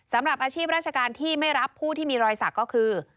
สำหรับอาชีพราชการที่ไม่รับผู้ที่มีรอยสักก็คือ